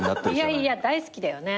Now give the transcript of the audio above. いやいや大好きだよね